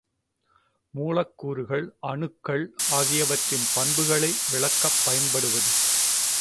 மூலக் கூறுகள், அணுக்கள் ஆகியவற்றின் பண்புகளை விளக்கப் பயன்படுவது.